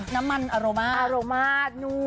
น้ำมันอารมณ์